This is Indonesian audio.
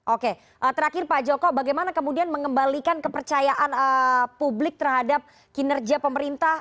oke terakhir pak joko bagaimana kemudian mengembalikan kepercayaan publik terhadap kinerja pemerintah